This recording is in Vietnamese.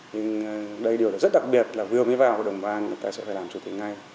nhưng đây điều rất đặc biệt là vừa mới vào hội đồng bảo an người ta sẽ phải làm chủ tịch ngay